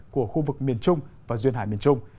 của khu vực miền trung và duyên hải miền trung